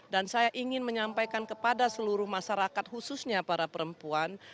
dan saya ingin menyampaikan kepada seluruh masyarakat khususnya para perempuan